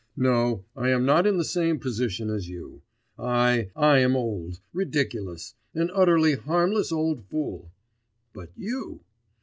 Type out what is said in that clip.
No, I am not in the same position as you! I, I am old, ridiculous, an utterly harmless old fool but you!